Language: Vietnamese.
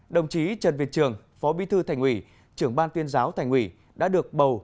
đồng chí trần việt trường phó bí thư thành ủy trưởng ban tuyên giáo thành ủy đã được bầu